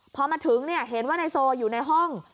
พอมาถึงเห็นว่านายโซอยู่ในห้อง